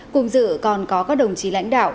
cùng dự còn có các đồng chí lãnh đạo